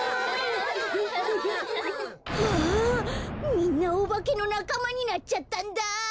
みんなおばけのなかまになっちゃったんだ！